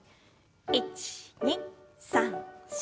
１２３４。